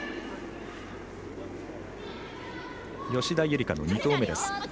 吉田夕梨花の２投目。